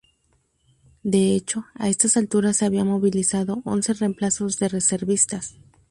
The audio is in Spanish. De hecho, a estas alturas se habían movilizado once reemplazos de reservistas.